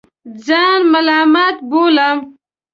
ځان ملامت بولم.